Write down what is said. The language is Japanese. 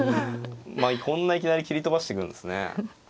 こんないきなり切り飛ばしてくるんですね。